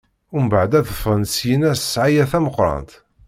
Mbeɛd ad d-ffɣen syenna s ssɛaya tameqrant.